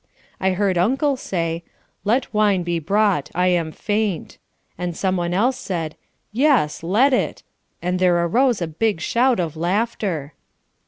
I heard Uncle say, "Let wine be brought: I am faint;" and some one else said, "Yes, let it," and there arose a big shout of laughter.